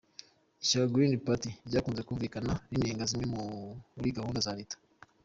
Ishyaka Green Party ryakunze kumvikane rinenga zimwe muri gahunda za Leta.